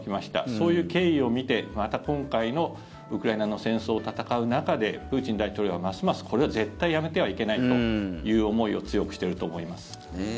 そういう経緯を見て、また今回のウクライナの戦争を戦う中でプーチン大統領はますますこれは絶対辞めてはいけないという思いを強くしていると思います。